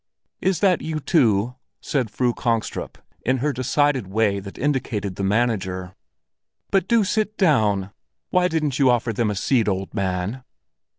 "Is that you two?" said Fru Kongstrup in her decided way that indicated the manager. "But do sit down! Why didn't you offer them a seat, old man?"